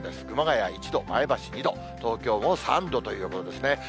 熊谷１度、前橋２度、東京も３度ということですね。